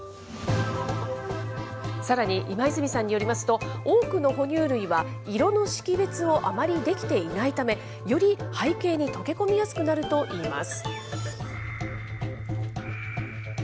さらに、今泉さんによりますと、多くの哺乳類は色の識別をあまりできていないため、より背景に溶け込みやすくなるといいます。